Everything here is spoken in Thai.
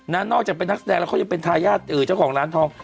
นอกจากเป็นนักแสดงแล้วเขายังเป็นทายาทเจ้าของร้านทอง